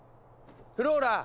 フローラ！